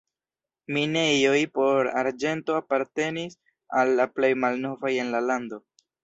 Minejoj por arĝento apartenis al la plej malnovaj en la lando.